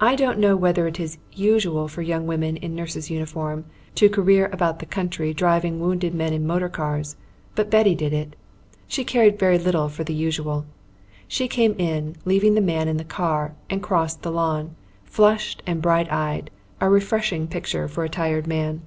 I don't know whether it is usual for young women in nurse's uniform to career about the country driving wounded men in motor cars, but Betty did it. She cared very little for the usual. She came in, leaving the man in the car, and crossed the lawn, flushed and bright eyed, a refreshing picture for a tired man.